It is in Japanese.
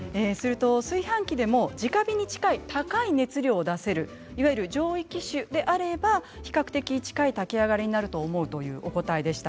炊飯器でも、じか火に近い高い熱量を出せる上位機種であれば比較的近い炊き上がりになると思うというお答えでした。